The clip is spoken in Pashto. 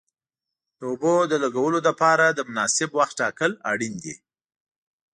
د اوبو د لګولو لپاره د مناسب وخت ټاکل اړین دي.